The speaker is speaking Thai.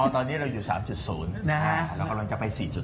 ตอนนี้เราอยู่๓๐แล้วก็เราจะไป๔๐